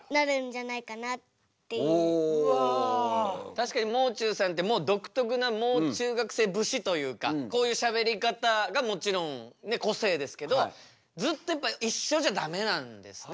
確かにもう中さんってもう独特なもう中学生節というかこういうしゃべり方がもちろん個性ですけどずっとやっぱ一緒じゃダメなんですね。